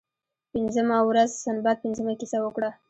پنځمه ورځ سنباد پنځمه کیسه وکړه.